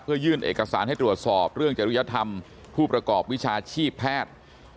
ยื่นเอกสารให้ตรวจสอบเรื่องจริยธรรมผู้ประกอบวิชาชีพแพทย์